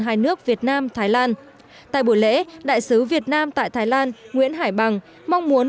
hai nước việt nam thái lan tại buổi lễ đại sứ việt nam tại thái lan nguyễn hải bằng mong muốn